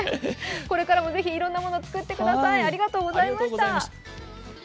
これからもぜひ、いろんなものを作ってください。